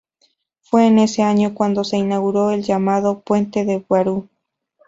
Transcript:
Fue en ese año cuando se inauguró el llamado "Puente de Barú".